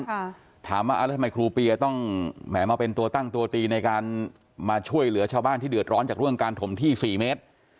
ค่ะถามว่าอ่าแล้วทำไมครูเปียต้องแหมมาเป็นตัวตั้งตัวตีในการมาช่วยเหลือชาวบ้านที่เดือดร้อนจากเรื่องการถมที่สี่เมตร